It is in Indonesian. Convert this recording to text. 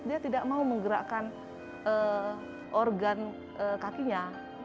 dia tidak mau menggerakkan organ kakinya